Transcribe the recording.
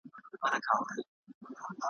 په هغه اندازه پر غوږونو ښه لګیږي `